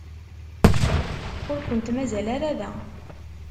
Ur kent-mazal ara da.